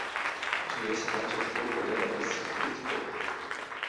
Ĝi estas la ĉefurbo de la distrikto.